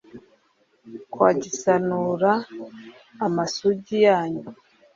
kwa gisanura amasugi yanyu